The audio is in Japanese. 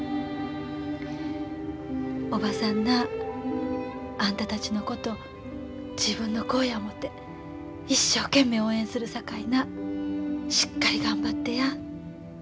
おばさんなあんたたちのこと自分の子や思て一生懸命応援するさかいなしっかり頑張ってや。